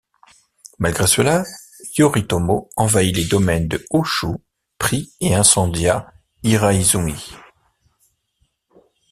Malgré cela, Yoritomo envahit les domaines des Ōshū, prit et incendia Hiraizumi.